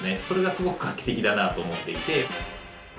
それがすごく画期的だなと思っていて。